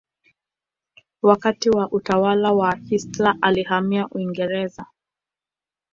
Wakati wa utawala wa Hitler alihamia Uingereza.